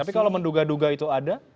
tapi kalau menduga duga itu ada